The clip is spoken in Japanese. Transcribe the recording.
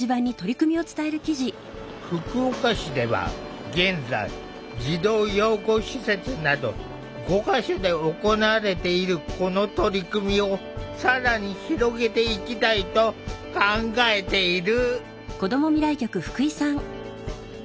福岡市では現在児童養護施設など５か所で行われているこの取り組みを更に広げていきたいと考えている。